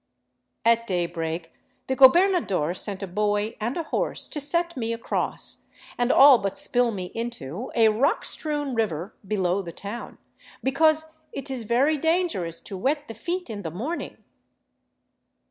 At daybreak the gobernador sent a boy and a horse to set me across — and all but spill me into — a rock strewn river below the town, " because it is very dangerous to wet the feet in the morning."